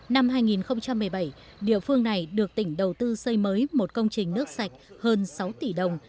năm hai nghìn một mươi bảy địa phương này được tỉnh đầu tư xây mới một công trình nước sạch hơn sáu tỷ đồng